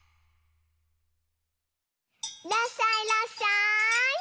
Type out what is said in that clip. いらっしゃいいらっしゃい！